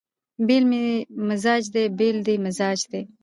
بېل مې مزاج دی بېل دې مزاج دی